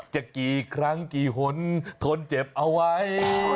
กี่ครั้งกี่หนทนเจ็บเอาไว้